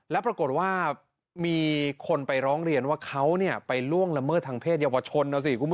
และปรากฏว่ามีคนไปร้องเรียนว่าเขาไปล่วงละเมิดทางเพศเยาวชน